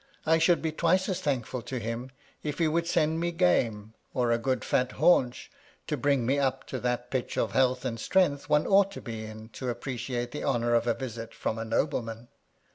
I should be twice as thankful to him if he would send me game, or a good fiit haunch, to bring me up to that pitch of health and strength one ought to be in, to appreciate the honour of a visit from a nobleman.